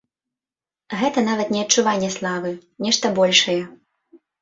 Гэта нават не адчуванне славы, нешта большае.